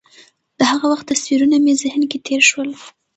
د هغه وخت تصویرونه مې ذهن کې تېر شول.